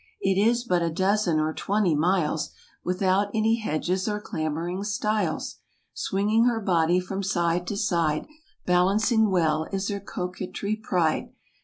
It is but a dozen or twenty miles, Without any hedges or clambering stiles. Swinging her body from side to side, Balancing well, is her coquetry pride.